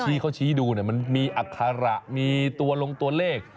ที่เขาชี้ดูมันมีอัคระมีตัวลงตัวเลข